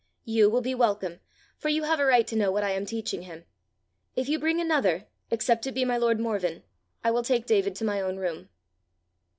You will be welcome, for you have a right to know what I am teaching him. If you bring another, except it be my lord Morven, I will take David to my own room."